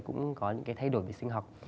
cũng có những cái thay đổi về sinh học